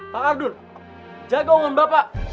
pak kardun jaga omongan bapak